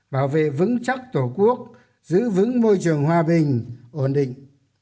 bảo vệ vững chắc tổ quốc giữ vững môi trường hòa bình ổn định